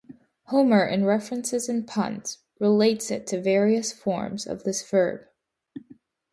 Homer in references and puns, relates it to various forms of this verb.